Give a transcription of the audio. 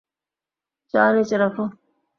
চা নীচে রাখ।